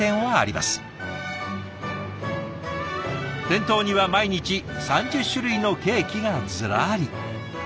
店頭には毎日３０種類のケーキがずらり。